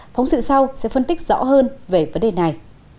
phóng sự sau sẽ phân tích rõ hơn về vấn đề này